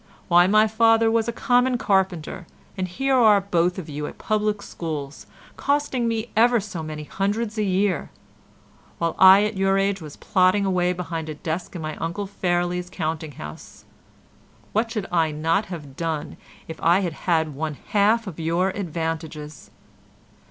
Why, my father was a common carpenter, and here you are both of you at public schools, costing me ever so many hundreds a year, while I at your age was plodding away behind a desk in my Uncle Fairlie's counting house. What should I not have done if I had had one half of your advantages?